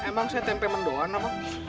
emang saya tempe mendoana pak